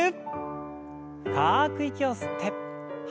深く息を吸って吐いて。